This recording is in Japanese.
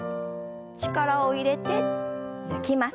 力を入れて抜きます。